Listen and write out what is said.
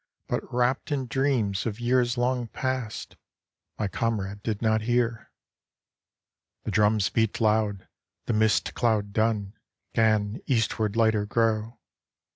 But wrapt in dreams of years long past, My comrade did not hear. The drums beat loud — the mist cloud dun 'Gan eastward lighter grow.